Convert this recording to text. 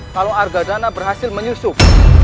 kalau argadana berhasil menyusup